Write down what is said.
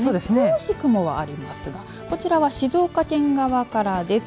少し雲はありますがこちらは静岡県側からです。